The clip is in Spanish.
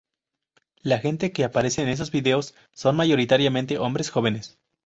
La gente que aparece en esos videos son mayoritariamente hombres jóvenes.